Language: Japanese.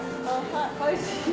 ・おいしい。